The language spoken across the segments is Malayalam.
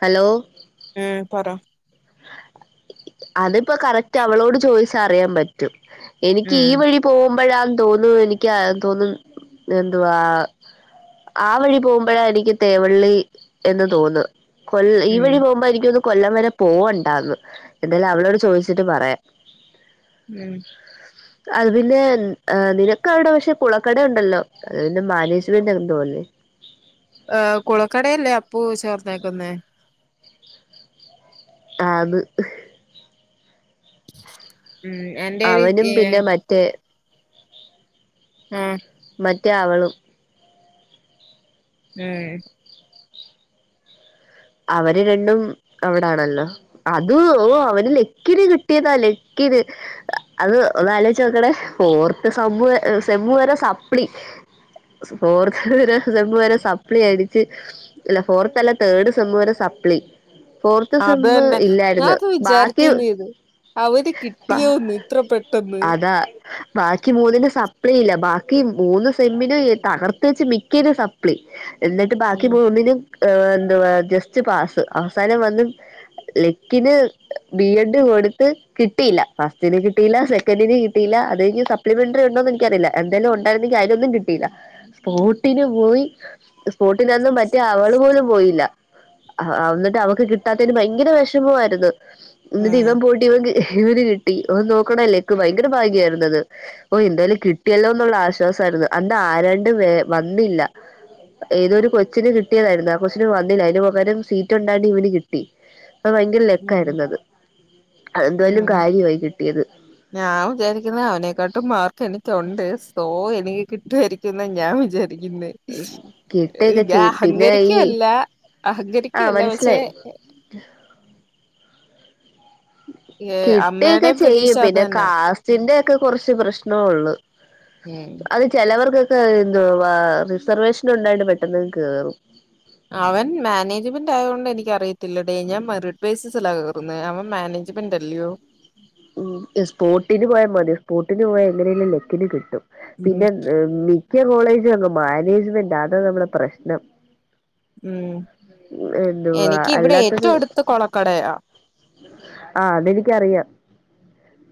ഹലോ. ഉം പറ. അതിപ്പോ കറക്റ്റ് അവളോട് ചോദിച്ച അറിയാൻ പറ്റും എനിക്ക് ഉം ഈ വഴി. പോകുമ്പഴാന്ന് തോന്നുന്നു എനിക്ക് ആഹ് തോന്നുന്നു എന്തുവാ. ആഹ് വഴി പോകുമ്പഴാ എനിക്ക് തേവള്ളി എന്ന് തോന്ന്. കൊല്ല ഈ ഉം വഴി പോകുമ്പോ ആരിക്കും ഒന്ന് കൊല്ലം വരെ. പോവണ്ടന്ന് എന്തായാലും അവളോട് ചോദിച്ചിട്ട് പറയാം. ഉം. അത് പിന്നെ നിനക്ക് അവിടെ പക്ഷേ കുളക്കട ഉണ്ടല്ലോ. അത് പിന്നെ മാനേജ്മെന്റ്ന്ന് തോന്നി. അഹ് കുളക്കടയല്ലേ അപ്പൂ ചേർന്നേക്കുന്നേ? ആന്ന്. ഉം എന് അവനും പിന്നെ മറ്റേ ആഹ് മറ്റേ അവളും ഉം അവര് രണ്ടും അവിടാണല്ലോ അത് ഓ അവന് ലക്കിന് കിട്ടിയതാ ലക്കിന് അത് ഒന്ന് ആലേച്ചോക്കണെ ഓർത്ത് സമ്മു സെമ്മു വരെ സപ്പ്ളി ഫോർത്ത് വരെ സമ്മ് സപ്ലി അടിച്ച് അല്ല ഫോർത്ത് അല്ല തേഡ് രെ സപ്ലി ഫോർത്ത് അത് സെമ് തന്നെ ഇല്ലായിരുന്നു ബാക്കി അവര് കിട്ടിയോന്ന് ഇത്ര പെട്ടെന്ന് അതാ ബാക്കി മൂന്നിന്റെ സപ്ലി ഇല്ല ബാക്കി മൂന്ന് സെമ്മിനും തകർത്ത വെച്ച് മിക്കരു സപ്ളി എന്നിട്ട് ബാക്കി ഉം മൂന്നിനും എന്തുവാ ജസ്റ്റ് പാസ് അവസാനം വന്ന ലക്കിന് ബി എഡ് കൊടുത്ത് കിട്ടയില്ല ഫസ്റ്റിന് കിട്ടിയില്ല സെക്കൻഡന് കി കിട്ടില്ല അത് കഴിഞ്ഞ് സപ്ലിമെന്ററി ഉണ്ടോന്ന് എനിക്ക അറില്ല എന്തായാലും ഉണ്ടരുന്നെങ്കി അതിനൊന്നു കിട്ടില്ല. സ്പോട്ടിന് പോയി സ്പോട്ടിൽന്നും മറ്റേ അവള് പോലും പോയില്ല ആ എന്നിട്ട് അവക്ക് കിട്ടാത്തതിന് ഭയങ്കര വിഷമമായിരുന്നു എന്നിട്ട് ഇവൻ ഉം പോയിട്ടി ഇവൻ ഇവന് കിട്ടി ഒ ാന് നോക്കണല്ലേ ക്ക് ഭയങ്കര ഭാഗ്യയിരുന്നുആത് ഓ എന്തായലും കിട്ടിയല്ലോ എന്നുള്ള ആശ്വാസമായിരുന്നു അന്ന് ആരാണ്ട് വ വന്നില്ല ഏതൊരു കൊച്ചിന് കിട്ടിയതായിരുന്നു ആ കൊച്ചിന് വന്നില്ല അതിന് പകരം സീറ്റ് ഉണ്ടാണ്ട് ഇവന് കിട്ടി അ ഭയങ്കര ഉം ലെക്കായിരുന്നത് എന്താലും ഉം കാര്യമായി കിട്ടിയത് ഞാൻ വിചാരിക്കുന്ന അവനേക്കാട്ടും മാർക്ക് എനിക്കുണ്ട് സോ എനിക്ക് കിട്ടുമായിരിക്കും. െന്നാ ഞാൻ വിചാരിക്കുന്ന കിട്ടുകയൊക്കെ ഞാൻ ചെയ്യും പിന്നെ ഈ അഹങ്കരിക്കല്ല ആ അഹങ്കരിക്കുവല്ല പക്ഷേ മനസ്സിലായി ഏഹ് കിട്ടിക്കെ അമ്മയുടെയും പ്രതീക്ഷ ചെയ്യും അത് പിന്നെ തന്നാ കാസ്റ്റിന്റെ ഒക്കെ കുറച്ച് പ്രശ്നോ ഉള്ളു ഉം അത് ചിലവർക്കൊക്കെ എന്ത് റിസർവേഷൻ ഉണ്ടായി്ട്ട് പെട്ടെന്ന് കേറും. അവൻ മാനേജ്മെന്റ് ആയത് കൊണ്ട് എനിക്ക് അറിയത്തില്ലടേ ഞാൻ മ സ്പേസസ് എല്ലാ കയറുന്നത് അവ മാനേജ്മെന്റ് അല്ലയോ ഉ സ്പോട്ടിന് പോയാൽ മതി സ്പോട്ടിന് പോയാ എങ്ങനെിലും ലെക്കിന് കിട്ടും. ഉം പിന്നെ മിക്ക കോളേജ് അ മാനേജ്മെന്റ് അതാണ് നമ്മളുടെ പ്രശ്നം ഉം എന്തുവാ എനിക്ക് ഇവിടെ അല്ലാത്തത് ഏറ്റവും അടുത്ത് കൊളക്കടയാ ആഹ അതെനിക്കറിയാം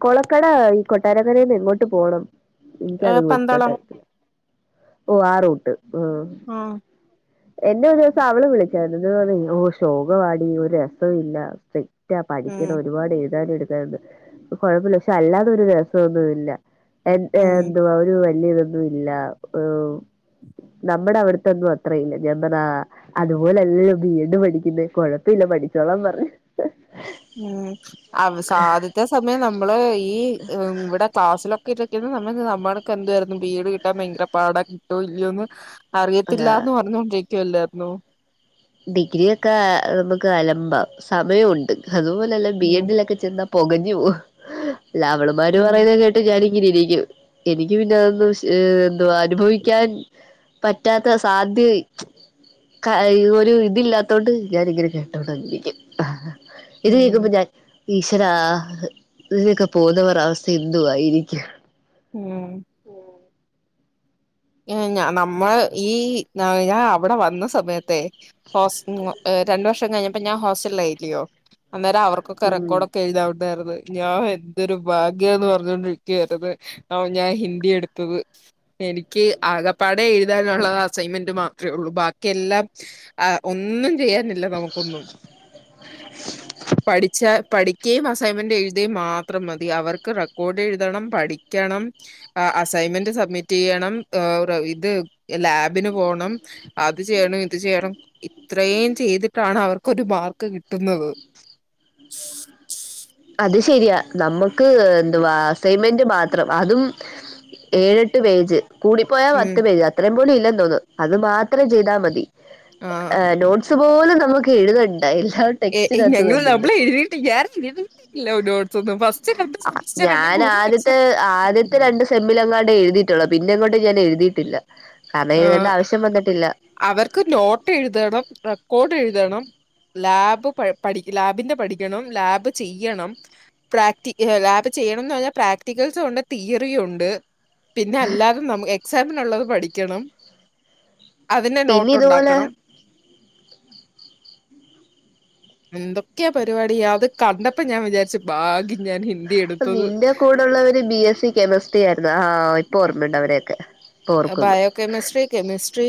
കൊളക്കട ഈ കൊട്ടാരക്കരയിൽ നിന്ന് എങ്ങോട്ട് പോകണം എനിക്ക ഏ, അത് പന്തളം വളത്തട്ടായി ഓ ആ റൂട്ട് മ് ആഹ [inaudible] എന്നെ ഒരു ദിവസം അവള് വിളിച്ച ആയിരുന്നു പറ ഓ ശോകവാടി ഒരു രസവും ഇല്ല അവസ്ഥ മറ്റാ പഠിക്കണ ഉം, ഒരുപാട് എഴുതാന എടുക്കാന്ന് കുഴപ്പമില്ല പക്ഷെ അല്ലാതൊ ഒരു രസംൊന്നു ഇല്ല എന് ഉം, എന്തുവാ ഒരു വലിയ ഇതൊന്നും ഇല്ല ഒരു നമ്മുടെ അവിടുത്തെൊന്നും അത്രയില്ല ഞാന് പറഞ്ഞു ആ അതുപോലല്ലോ ബി എഡ് പഠിക്കുന്ന കുഴപ്പല്ല പഠിച്ചോളാം പറഞ്ഞ് ആ ഉം ആദ്യത്തെ സമയം നമ്മള് ഈ ഇവിടെ ക്ലാസ്സിലൊക്കെ [unintelligible] നമ്മളൊക്കെ എന്തായിരുന്നു ബീയർ കിട്ടാൻ ഭയങ്കര പാടം കിട്ടോ ഇല്ലയന്ന് ആഹ് അറിയത്തില്ലന്ന് പറഞ്ഞുകൊണ്ടിരിക്കുവല്ലായിരുന്നു ഡിഗ്രിയൊക്കെ നമുക്ക് അലമ്പാമ് സമയണ്ട്. അതുപോലെല്ല ബി ഉം എഡിലൊക്കെ ചെന്ന പൊുകഞ്ഞു പോവും. ലാവൾമാര് ഉം പറയുന്ന കേട്ട് ഞാനിങ്ങനെരിക്കും എനിക്ക് പിന്നെ അതൊന്നും ഇഷ് ഏ എന്തുവാ അനുഭവിക്കാൻ പറ്റാത്ത സാധ്യയി കഴി [unintelligible] തില്ലാത്തോണ്ട് ഞാനങ്ങനെ കേട്ടോടരിക്കും. ഇത് ഉം കേക്കുമ്പോ ഞാൻ ഈശ്വരാ ഇലൊക്കെ പോവുന്നരഅവസ്ഥ എന്തു വായിരിക്കും? ഉം. നമ്മൾ ഈ ഞാൻ അവടെ വന്ന സമയത്തെ ഹോസ് രണ്ടു വർഷം കഴിഞ്ഞപ്പോ ഞാൻ ഹോസ്റ്റല യില്ലയോ? അന്നേം അവർക്കൊക്ക ഉം റെക്കോഡൊക്കെ എഴുതാ ണ്ടായിരുന്ന്. ഞാൻ എന്തൊരു ഭാഗ്യന്ന് പറഞ്ഞൊണ്ടിരിക്കയരത് അത ഞാൻ ഹിന്ദി എടുത്തത്. എനിക്ക് ആകപ്പാടെ എഴുതാനുള്ളത അസൈൻമെന്റ് മാത്രേ ഉള്ളൂ ബാക്കിയെല്ലാം ഒന്നും ചെയ്യാനില്ല നമുക്കൊന്നും. പഠിച്ച പഠിക്കുകയും അസൈൻമെന്റ് എഴുതുകയും മാത്രം മതി അവർക്ക് റെക്കോർഡ് എഴുതണം, പഠിക്കണം, ആ അസൈൻമെന്റ് സബ്മിറ്റ് ചെയ്യണം ആ ഇത് ലാബിന് പോണം അത് ചെയ്യണം ഇത് ചെയ്യണം. ത്രീം ചെയ്തിട്ടാണ് അവർക്കൊരു മാർക്ക് കിട്ടുന്നത്. അത് ശരിയാ നമ്മുക്ക് എന്തുവാ അസൈൻമെന്റ് മാത്രം അതും ഏഴെട്ട് പേജ് കൂടി പോയാ ഉം. പത്ത് പേജ് അത്രയും പോലും ഇല്ല തോന്നുന്നു, അത് മാത്രം ചെയ്താൽ മതി ആഹ്. ഏഹ് നോ ട്ട്സ് പോലും നമുക്ക് എഴുതണ്ടാ യില്ല. ഏ ഞങ്ങള് നമ്മൾ ഡബിൾഴതിട്ട് ഞാൻ എഴുതിട്ടില്ല നോടസൊന്നും. [unintelligible] ആഹ് ഫസ്റ്റ് സമ്മിലങ്ങാണ്ടെ എഴുതിയിട്ടുള്ളൂ പിന്നെങ്ങോട്ട ഞാൻ എഴുതിയിട്ടില്ല. കാരണം ആഹ് എഴുതണ്ട് ആവശ്യം വന്നിട്ടില്ല. അവർക്ക് നോട്ട് എഴുതണം, റെക്കോർഡ് എഴുതണം. ലാബ് പഠിക്ക ലാബിന്റെ പഠിക്കണം, ലാബ് ചെയ്യണം, പ്രാക്ടി ലാബ് ചെയ്യണംന്നറഞ്ഞാൽ പ്രാക്ടിക്കൽസും ഉണ്ട് തിയറിയും ഉണ്ട്. പിന്നെ അല്ലാതെ നമ് എക്സാമിനുള്ളത് പഠിക്കണം. അതിന്റെ പിന്നെ നോട്ട്ണ്ടാക്കണം, [inaudible] എന്തൊക്കെയാ പരിപാടി! അത് കണ്ടപ്പോ ഞാൻ വിചാരിച്ച് ഭാഗ്യം ഞാൻ ഹിന്ദി എടുത്തത്. വിടെ ഉള്ളവർ ബി എസ് സി കെമിസ്ട്രി ആയിരുന്നു ആഹ് ഇപ്പൊ ഓർമ്മുണ്ട് അവരെയൊക്കെ. ഇപ്പൊ ഓർക്കുന്നു ബയോകെമിസ്ട്രി, കെമിസ്ട്രി,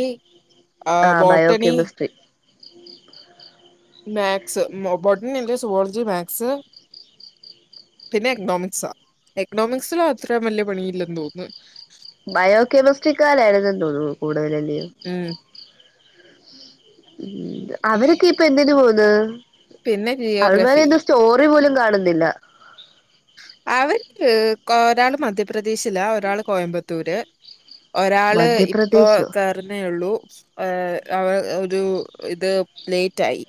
ആ ആഹ് ബോട്ടണി, [inaudible] മാക്സ്, ബോട്ടണി ഉണ്ട്, സുവോളജി, മാക്സ്, പിന്നെ എക്കണോമിക്സാ. എക്കണോമിക്സില് അത്ര വല്യ പണിയില്ലെന്ന് തോന്നുന്നു. ബയോകെമിസ്ട്രിക്കലായിരുന്നു തോന്നുന്നു കൂടുതല് അയിൽ. ഉം അവരൊക്കെപ്പൊ എന്തിന് പോകുന്ന്? പിന്നെ അവൾമാരെ ജിയോഗ്രഫി. ഒന്നും സ്റ്റോറി പോലും കാണുന്നില്ല. അവര് ഒരാള് മധ്യപ്രദേശില. ഒരാള് കോയമ്പത്തൂര്. ഒരാള് ഇപ്പോ മധ്യപ്രദേശോ കർ ന്നേള്ളൂ അവ ഒരു ഇത് ലേറ്റ് ആയി.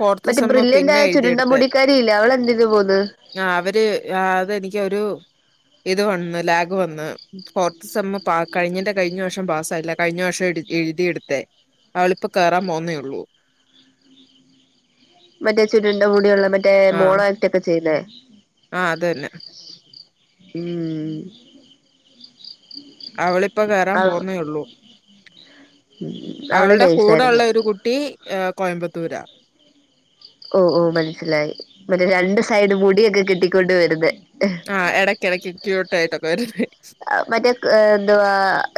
ഫോർത്ത് മറ്റേ സെമ്മ് പിന്നെ ബ്രില്ലയന്റായ ചുരുണ്ട മുടിക്കാരി ഇല്ലേ അവളെന്തിന് പോകുന്ന്? ആ അവര് അത എനിക്കൊരു ഇത് വന്ന് ലാഗ് വന്ന്. ഫോർത്ത് സമ്മം കഴിഞ്ഞന്റെ കഴിഞ്ഞ വർഷം പാസായില്ല കഴിഞ്ഞ വർഷം എഴുതിയെടുത്തെ. അവളിപ്പ കേറാൻ പോകുന്നേള്ളൂ മറ്റേ ചുരുണ്ട മുടിയുള്ള മറ്റേ ആഹ് മോണോആക്റ്റ് ഒക്കെ ചെയ്യുന്നേ ആഹ് അത് തന്നെ ഉം അവളിപ്പോ കേറാൻ ആഹ് പോകുന്നേള്ളൂ അവള് അവളുടെ കൂടെള്ള നഴ്സായിരുന്നു ഒരു കുട്ടി കോയമ്പത്തൂരാ ഓഹ് ഓഹ് മനസ്സിലായി മറ്റേ രണ്ട് സൈഡ് മുടിയൊക്കെ കെട്ടിക്കൊണ്ട് വരുന്നെ ആഹ് ഇടയ്ക്ക് ഇടയ്ക്ക് [unintelligible] മറ്റേ എന്തവാ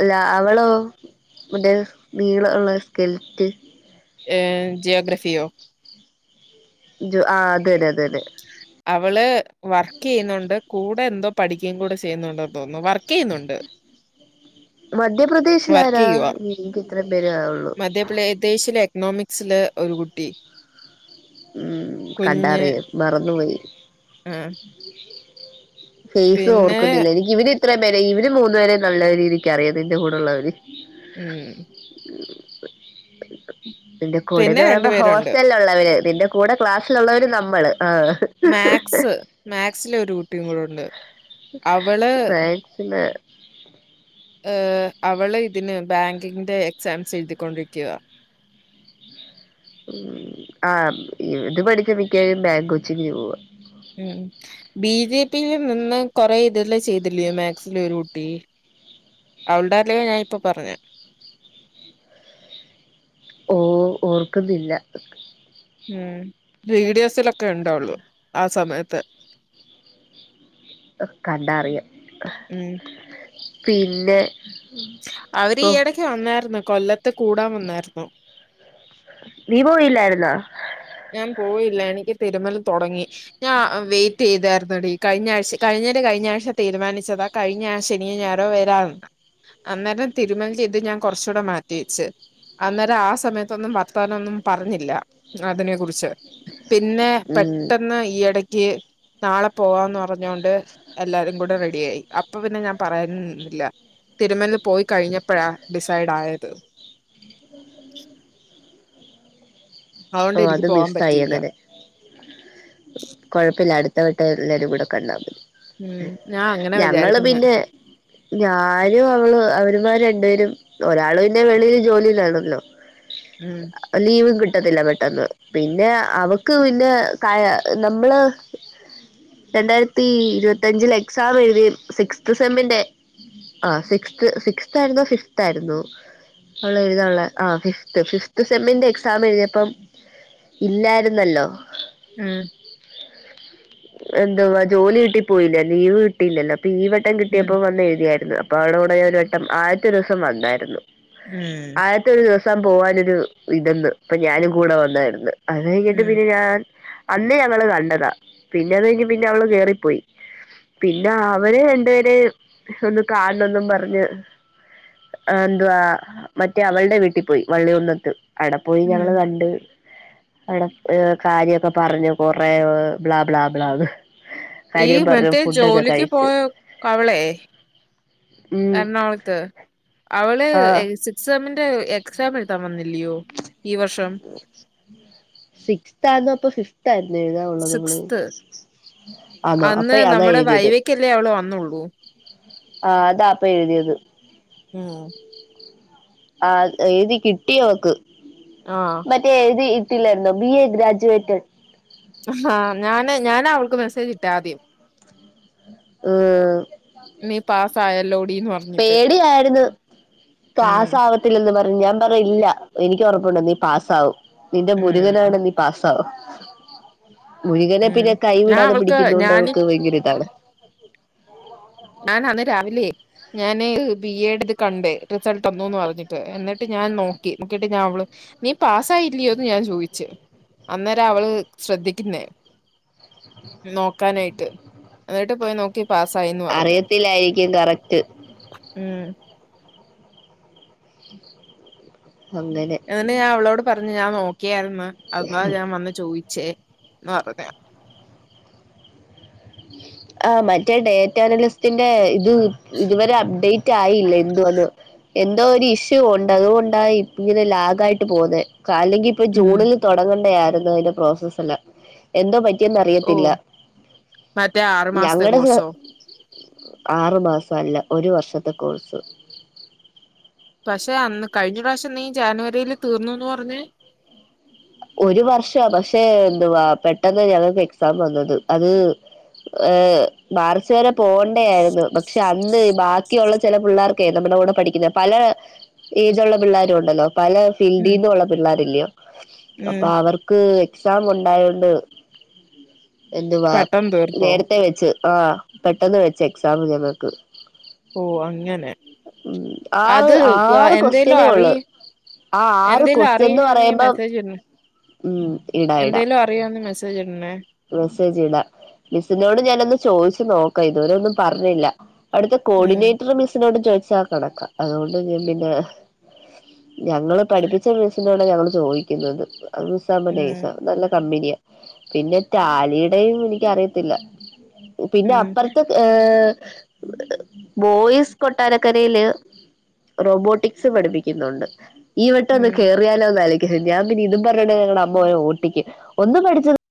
ല അവളോ മറ്റേ നീളമുള്ള സ്കെൽറ്റ് ഏഹ് ജിയോഗ്രഫിയോ ജ ആഹ് അതന്നെ അതെന്നെ അവള് വർക്ക് ചെയ്യുന്നുണ്ട് കൂടെ എന്തോ പഠിക്കുകയും കൂടെ ചെയ്യുന്നുണ്ടന്ന് തോന്നുന്നു വർക്ക് ചെയ്യുന്നുണ്ട് മധ്യപ്രദേശിലാരാ വർക്കെയ്യുവാ. എനിക്ക് ഇത്രയും പേരെ അറിയുള്ളു [unintelligible] ശിൽ എക്കണോമിക്സില് ഒരു കുട്ടി ഉം കുഞ്ഞ് കണ്ടാറിയും മറന്നുപോയി ആഹ് ഫേസ് പിന്നെ ഓർക്കുന്നില്ല എനിക്ക് ഇവര് ഇത്രയും വേരെ ഇവര് മൂന്നുേപേരെ നല്ല രീതിക്ക് അറിയാം നിന്റെ കൂടെയുള്ളവര് ഉം നിന്റെ പിന്നെ കൂടെന്ന് പറയുമ്പോ പേരുണ്ട്. ഹോസ്റ്റല് ഉള്ളവര് നിന്റെ കൂടെ ക്ലാസ്സിലുള്ളവര് നമ്മള് ആഹ് മാക്സ് മാക്സിലെ ഒരു കുട്ടിയും കൂടെ ഉണ്ട് മാക്സില് ഏഹ് അവള് ഇതിന് ബാങ്കിങ്ങിന്റെ എക്സാംസ് എഴുതിക്കൊണ്ടിരിക്കുവ ആഹ് ഇത് പഠിച്ച മിക്കവരും ബാങ്കു കൊച്ചിങ്ങ് നു പോവാ ഉം ബി ജെ പി നിന്ന് കൊറെ ഇതില് ചെയ്തില്ലയോ മാക്സില് ഒരു കുട്ടി അവളുടെ [unintelligible] ഞാൻ ഇപ്പോ പറഞ്ഞെ ഓഹ് ഓർക്കുന്നില്ല ഉം വീഡിയോസിലൊക്കെ ഉണ്ടവള് ആ സമയത്തെ കണ്ടാ അറിയാം ഉം പിന്നെ അവര് ഓ ഈയടക്ക് വന്നായിരുന്നു കൊല്ലത്ത് കൂടാൻ വന്നായിര്ന്നു നീ പോയില്ലായിരുന്ന ഞാൻ പോയില്ല എനിക്ക് തിരുമ്മൽ തൊടങ്ങി ഞാ വെയിറ്റെയ്തായിരുന്നെടീ കഴിഞാഴ്ച കഴിഞേന്റെ കഴിഞാഴ്ച തീരുമാനിച്ചതാ കഴിഞ്ഞ ശനിയോ ഞായറോ വരാന്ന് അന്നേരം തിരുമൽചെയ്ത് ഞാൻ കൊർച്ചൂടെ മാറ്റിവെച്ച് അന്നേരം ആ സമയത്തൊന്നും വർത്താനൊന്നും പറഞ്ഞില്ല അതിനെ കുറിച്ച് പിന്നെ ഉം പെട്ടെന്ന് ഈയടക്ക് നാളെ പോവാന്ന് പറഞ്ഞോണ്ട് എല്ലാരും കൂടെ റെഡിയായി അപ്പ പിന്നെ ഞാൻ പറയാൻ നിന്നില്ല തിരുമല് പോയി കഴിഞ്ഞപ്പഴാ ഡിസൈഡായത് അതുകൊണ്ട് ഓ എനിക്ക് അത് പോവാൻ മിസ്സായി പറ്റിയില്ല അകലെ കൊഴപ്പല്ല അടുത്ത വട്ടം എല്ലാരും കൂടി കണ്ടാമതി ഉം ഞാൻ അങ്ങനെ ഞങ്ങള് വിചാരിക്കുന്നെ പിന്നെ ഞാനു അവളു അവരുമാർ രണ്ടുപേരും ഒരാൾ പിന്നെ വെളിയിൽ ജോലിയിലാണല്ലോ. ഉം ലീവും കിട്ടത്തില്ല പെ ട്ടന്ന് പിന്നെ അവക്ക് പിന്നെ കയ നമ്മള് രണ്ടായിരത്തി ഇരുപത്തഞ്ചിലെ ക്സാമെഴുതി സിക്സ്ത് സെമ്മിന്റെ. ആ സിക്സ്ത് സിക്സ് തായിരുന്നോ ഫിഫ് തായിരുന്നൊ? അവളെഴുതാള്ളെ ആഹ് ഫിഫ്ത് ഫിഫ്ത് സെമ്മിന്റെ എക്സാം എഴുതിയപ്പം ഇല്ലാരുന്നല്ലോ. ഉം എന്തവാ ജോലി കിട്ടിപ്പോയില്ലെ ലീവ് കിട്ടില്ലല്ലോ അപ്പീ വട്ടം ഉം കിട്ടിയപ്പോ വന്നെഴുതിയാര്ന്നു. പ്പവള കൂടെ ഒരുവട്ടം ആയത്തൊരൂ സം വന്നായിര്ന്നു ഊം. ആദ്യത്തെ ഒരു ദിവസം പോവാനൊരു ഇത് ന്ന് പ്പ ഞാനും കൂടെ വന്നായിരുന്നു അത് കൈഞ്ഞിട്ട് ഉം പിന്നെ ഞാൻ അന്ന് ഞങ്ങള് കണ്ടതാ പിന്നെ അത് കൈഞ്ഞ് പിന്നെ അവള് കേറിപ്പോയി. പിന്നെ അവര് രണ്ടുപേരെ ഒന്ന് കാണൊന്നും പറഞ്ഞ് അ ന്തുവാ മറ്റേ അവൾടെ വീട്ടി പോയി വള്ളികുന്നത്ത്. ആടെ പോയി ഞങ്ങള് ഉം കണ്ട് അവിടെ എ കാര്യൊക്കെ പറഞ് കൊറേ ബ്ലാ ബ്ലാ ബ്ലാ ന്ന് ഈ കാര്യം പർഞ്ഞു മറ്റേ ഫുഡൊക്കെ ജോലിക്ക് കഴിച്ച് പോയ അവളെ ഉം എറണാകുളത്ത് അവള് എ ആഹ് സിക്സ്ത് സെമ്മിന്റെ എക്സാം എഴുതാൻ വന്നില്ലയോ? ഇ വർഷം സിക്സ്താന്നോ പ്പ ഫിഫ്തായിരുന്നൊ എഴുതാനുള്ളതവള്? സിക്സ്ത് ആന്നോ അപ്പയ്യതാ എഴുതിയത്. ക്കില്ലേ അവള് വന്നൊള്ളൂ. ആഹ് അതാപ്പെഴുതിയത്. ഉം ആഹ് എഴുതി കിട്ടിയവക്ക്. ആഹ്. മറ്റേ ഇത് ഇട്ടില്ലായിരുന്നോ ബി എ ഗ്രാജുവേറ്റ്. അഹാ ഞാന് ഞാനാ അവൾക്ക് മെസ്സേജിട്ടാദ്യം ആഹ്. നീ പാസ്സായല്ലോടീന്ന് പർ പേടിയായിര്ന്നു ഉം കാസാവ ത്തില്ലെന്ന് പറഞ് ഞാൻ പറഞ് ഇല്ല എനിക്കൊറപ്പുണ്ട് നീ പാസാവും നിന്റെ ഉം മുരുകനാണെ നീ പാസ്സാവും. മുരുകനെ ഉം പിന്നെ ഞാൻ കൈവിടാതെ അവൾക്ക് പിടിക്കുന്നോണ്ട് ഞാന് അവൾക്ക് ഭയങ്കര ഇതാണ് ആണന്ന് രാവിലെ ഞാന് ബി എഡ ഇത് കണ്ടേ റിസൾട്ട് വന്നുംന്ന് പറഞ്ഞിട്ട് എന്നിട്ട് ഞാൻ നോക്കി നോക്കിട്ട് ഞാൻ അവള് നീ പാസ്സായില്ലയോന്ന് ഞാൻ ചോയിച്ചു അന്നേരാ അവള് ശ്രദ്ധിക്കുന്നേ. നോക്കാനായിട്ട് എന്നിട്ട് പോയി നോക്കി പാസായി ന് അറിയത്തില്ലായിരിക്കും കറക്റ്റ്. ഉം ഹങ്ങനെ എന്നിട്ട് ഞാൻ അവളോട് പറഞ്ഞ് ഞാൻ നോക്കിയായിരുന്നു അതാ ഞാൻ വന്ന് ചോദിച്ചേ എന്ന് പറഞ്ഞു ആഹ് മറ്റേ ഡേറ്റ നലിസ്റ്റിന്റെ ഇത് ഇതുവരെ അപ്ഡേറ്റ് റ്റായില്ല എന്തു അന്ന് എന്തോ ഒരു ഇഷ്യൂ ഉണ്ട് അതുകൊണ്ടാ ഇ ഇങ്ങനെ ലാഗായിട്ട് പോന്നെ. ക അല്ലെങ്കി ഇപ്പ ഉം ജൂണില് തൊടങ്ങണ്ട ആയിരുന്നു അഴിന്റെ പ്രോസസ്സല്ല എന്തോ പറ്റിയെന്ന് ഓ അറിയത്തില്ല മറ്റേ ആറു മാസ്ത്തെ ഞങ്ങടെ കോഴ്സോ ആറു മാസ അല്ല ഒരു വർഷത്തെ കോഴ്സ് പക്ഷെ അന്ന് കഴിഞ്ഞ പ്രാവശ്യം നീ ജാനുവരിയില് തീർന്നുന്ന് പർഞ്ഞ് ഒരു വർഷ പക്ഷെ എന്തുവാ പെട്ടെന്ന് ഞങ്ങക്ക് എക്സാം വന്നത് അത് ഏ മാർച്ച് വരെ പോണ്ടേ ആയിരുന്നു പക്ഷെ അന്ന് ബാക്കിയുള്ള ചെല പിള്ളേർ ക്കെ നമ്മുടെ കൂടെ പഠിക്കുന്ന പല എയ്ജ്ള്ള പിള്ളേരു ഉണ്ടല്ലോ പല ഉം ഫീൽഡിന്നുള്ള പിള്ളേരില്ലയോ അപ്പ ഉം അവർക്ക് എക്സാം ഉണ്ടായോണ്ട് എന്തുവാ പെട്ടെന്ന് തീർത്തോ നേരത്തെ വെച്ച് ആ പെട്ടെന്ന് വെച്ച് എക്സാം ഞങ്ങക്ക് ഓ അങ്ങനെ ആറ് അത് ആറ് എന്തേലു ക്വസ്റ്റ്യനേ അറി ഉള്ളു ആ ആറ് എന്തേലു ക്വസ്റ്റ്യൻന്ന് അറിയാണങ്കി പറയുമ്പം മെസ്സേജ് ഇടണേ ഉം ഇടാ ഇടാ എന്തേലു അറിയാണെ മെസ്സേജ് ഇടണേ മെസ്സേജ് ഇടാ മിസ്സ്നോട് ഞാനൊന്ന് ചോഴിച്ചു നോക്കാ ഇതുവരെ ഒന്നും പർഞ്ഞില്ല അവ്ട്ത്തെ ഉം കോഡിനേറ്ററ് മിസ്സ്‌നോട് ചോഴിച്ച കണക്കാ അതുകൊണ്ട് ഞാൻ പിന്നെ ഞങ്ങള് പഠിപ്പിച്ച മിസ്സിനോട് ഞങ്ങള് ചോഴി ക്കുന്നത് അത് സമനേഴ്‌സ ഉം നല്ല കമ്പനിയാ പിന്നെ റ്റാലിയുടെയും എനിക്കറിയത്തില്ല പിന്നെ ഉം അപ്പർത്ത് ഏ ബോയ്സ് കൊട്ടാരക്കരയില് റോബോട്ടിക്സ് പഠിപ്പിക്കുന്നുണ്ട് ഈ വട്ടം ഒന്ന് ഉം കേറിയാലോ ഒന്ന് ആലോയ്ക്ക ഞാൻ പിന്നെ ഇതും പർഞ്ഞോണ്ട് ഞങ്ങടെ അമ്മ ഓട്ടിക്കും ഒന്ന് പഠിച്ച